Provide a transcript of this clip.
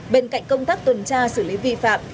bên cạnh công tác tuần tra xử lý vi phạm